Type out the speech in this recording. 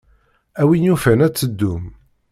A win yufan ad teddum.